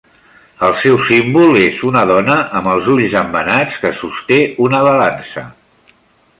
El seu símbol és una dona amb els ulls embenats que sosté una balança.